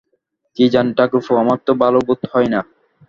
কী জানি ঠাকুরপো, আমার তো ভালো বোধ হয় না।